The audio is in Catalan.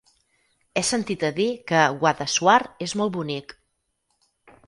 He sentit a dir que Guadassuar és molt bonic.